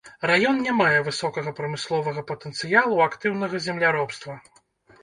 Раён не мае высокага прамысловага патэнцыялу, актыўнага земляробства.